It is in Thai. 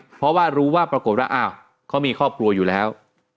เพราะว่ารู้ว่าปรากฏว่าอ้าวเขามีครอบครัวอยู่แล้ว